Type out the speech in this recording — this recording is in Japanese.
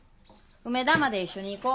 梅田まで一緒に行こ。